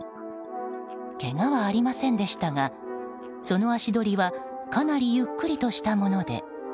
けがはありませんでしたがその足取りはかなりゆっくりとしたもので。